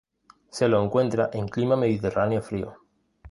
Se lo encuentra en clima Mediterráneo frío.